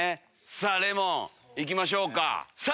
さぁレモン行きましょうか。